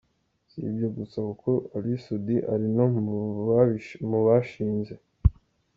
Si ibyo gusa kuko Ally Soudy ari no mu bashinze.